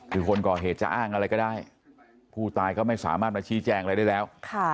คือคนก่อเหตุจะอ้างอะไรก็ได้ผู้ตายก็ไม่สามารถมาชี้แจงอะไรได้แล้ว